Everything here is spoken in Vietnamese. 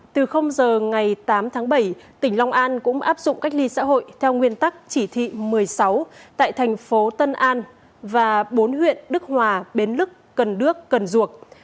từ giờ ngày tám tháng bảy tỉnh long an cũng áp dụng cách ly xã hội theo nguyên tắc chỉ thị một mươi sáu tại thành phố tân an và bốn huyện đức hòa bến lức cần đước cần duộc